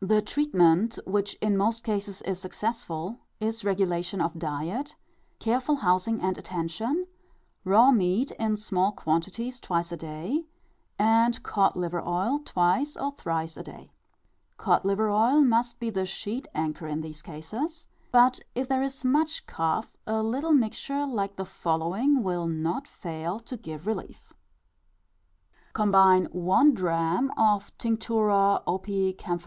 The treatment, which in most cases is successful, is regulation of diet, careful housing and attention, raw meat in small quantities twice a day, and cod liver oil twice or thrice a day. Cod liver oil must be the sheet anchor in these cases; but if there is much cough, a little mixture like the following will not fail to give relief, ℞ Tinct. Opii Camph.